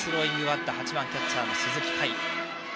８番キャッチャーの鈴木海偉。